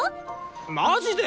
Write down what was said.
マジで！？